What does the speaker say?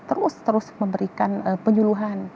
terus terus memberikan penyuluhan